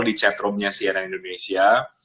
di chatroomnya cnn indonesia